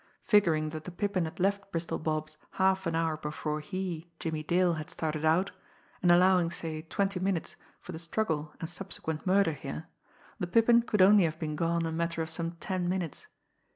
Figuring that the Pippin had left Bristol Bob's half an hour before he, Jimmie Dale, had started out, and allowing, say, twenty minutes for the struggle and subsequent murder here, the Pippin could only have been gone a matter of some ten minutes.